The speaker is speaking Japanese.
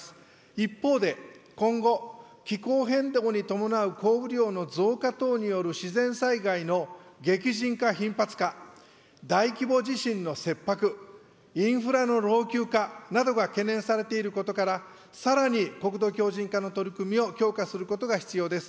一方で、今後、気候変動に伴う降雨量の増加等による自然災害の激甚化、頻発化、大規模地震の切迫、インフラの老朽化などが懸念されていることから、さらに国土強じん化の取り組みを強化することが必要です。